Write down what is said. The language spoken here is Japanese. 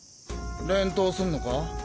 連投すんのか？